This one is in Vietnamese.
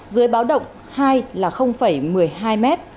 dưới báo động hai là một mươi hai m